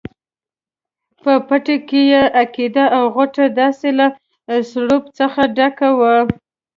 په پټه کې یې عقده او غوټه داسې له پړسوب څخه ډکه وه.